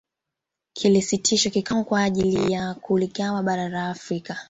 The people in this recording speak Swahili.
Kiliitishwa kikao kwa ajili ya kuligawanya bara la Afrika